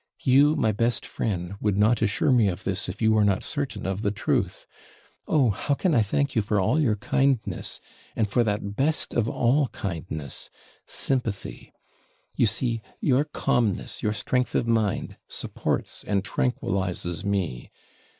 You, my best friend, would not assure me of this if you were not certain of the truth. Oh, how can I thank you for all your kindness, and for that best of all kindness, sympathy. You see, your calmness, your strength of mind supports and tranquillises me.